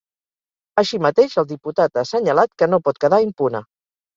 Així mateix, el diputat ha assenyalat que no pot quedar impune.